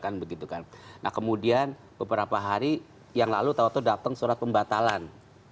nah kemudian beberapa hari yang lalu tau tau datang surat pembatalan